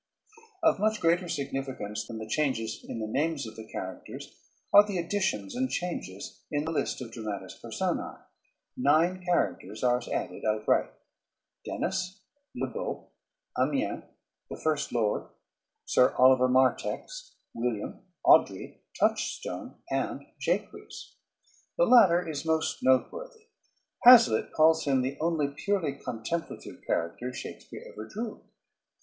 Of much greater significance than the changes in the names of the characters are the additions and changes in the list of dramatis personae. Nine characters are added outright Dennis, Le Beau, Amiens, the First Lord, Sir Oliver Martext, William, Audrey, Touchstone, and Jaques. The latter is most noteworthy. Hazlitt calls him the only purely contemplative character Shakespeare ever drew.